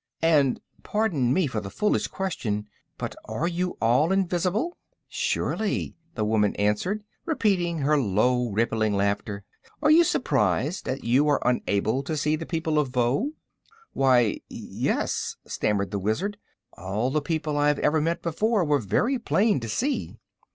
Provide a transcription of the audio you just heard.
"And pardon me for the foolish question but, are you all invisible?" "Surely," the woman answered, repeating her low, rippling laughter. "Are you surprised that you are unable to see the people of Voe?" "Why, yes," stammered the Wizard. "All the people I have ever met before were very plain to see."